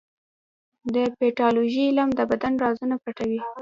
د پیتالوژي علم د بدن رازونه پټوي.